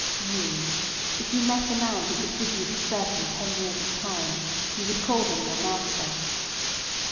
You—if you met a man who could give you for certain ten years of time, you would call him your master."